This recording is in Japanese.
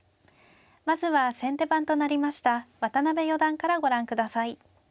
まずは先手番となりました渡辺四段からご覧下さい。